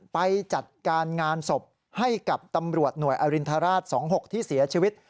ไปจัดการงานศพให้กับตำรวจหน่วยอรินทราช๒๖ที่เสียชีวิต